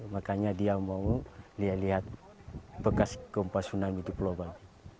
makanya dia mau lihat lihat bekas gempa tsunami di pulau bali